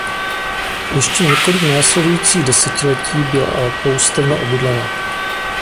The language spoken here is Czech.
Ještě několik následujících desetiletí byla ale poustevna obydlena.